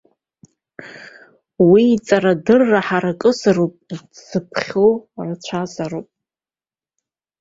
Уи иҵарадырра ҳаракызароуп, дзыԥхьо рацәазароуп.